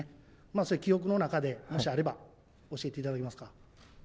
それ、記憶の中でもしあれば、教えていただけますか。